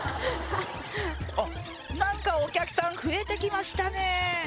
あっ何かお客さん増えてきましたね